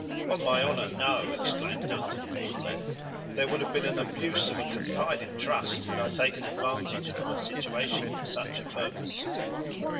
"On my honor, no," exclaimed Duncan, warmly; "there would have been an abuse of a confided trust, had I taken advantage of my situation for such a purpose."